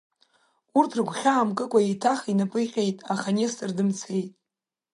Урҭ рыгәхьаа мкыкәа еиҭах инапы иҟьеит, аха Нестор дымцеит.